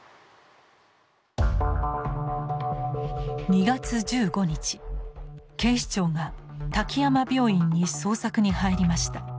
２月１５日警視庁が滝山病院に捜索に入りました。